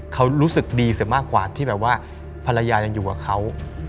เขารู้สึกดีเสียมากกว่าที่แบบว่าภรรยายังอยู่กับเขา